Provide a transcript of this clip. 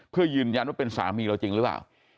เพื่อยืนยันว่าเป็นสามีเราจริงหรือเปล่า